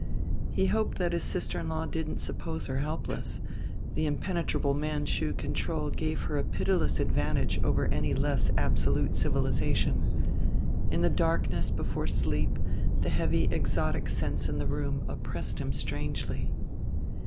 He hoped that his sister in law didn't suppose her helpless; the impenetrable Manchu control gave her a pitiless advantage over any less absolute civilization. In the darkness before sleep the heavy exotic scents in the room oppressed him strangely.